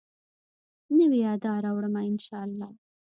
نوي ادا راوړمه، ان شاالله